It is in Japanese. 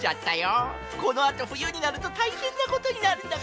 このあとふゆになるとたいへんなことになるんだからね。